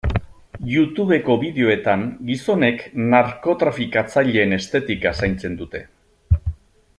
Youtubeko bideoetan gizonek narkotrafikatzaileen estetika zaintzen dute.